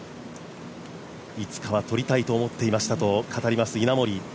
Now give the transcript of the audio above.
いつかは取りたいと思っていましたと語ります、稲森。